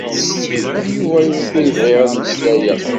D Yuba i wukud bɣiɣ ad mmeslayeɣ.